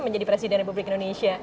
menjadi presiden republik indonesia